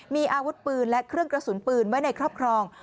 มีอาวุธปืนและเครื่องกระสุนปืนไว้ในครอบครอง